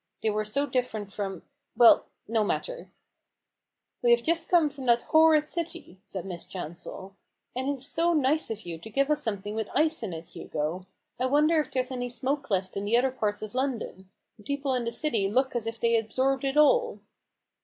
They were so different from— well, no matter !" We have just come from that horrid city," said Miss Chancel ;" and it is so nice of you to give us something with ice in it, Hugo ! I wonder there is any smoke left in 176 A BOOK OF BARGAINS. the other parts of London : the people in the citv look as if thev absorbed it all."